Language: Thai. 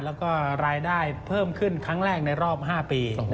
แล้วก็รายได้เพิ่มขึ้นครั้งแรกในรอบ๕ปี